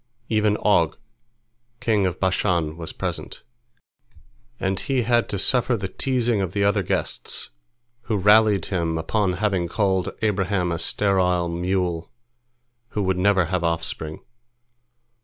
Even Og king of Bashan was present, and he had to suffer the teasing of the other guests, who rallied him upon having called Abraham a sterile mule, who would never have offspring.